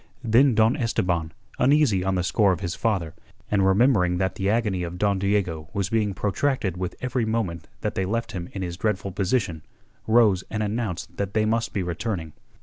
Then Don Esteban, uneasy on the score of his father, and remembering that the agony of Don Diego was being protracted with every moment that they left him in his dreadful position, rose and announced that they must be returning.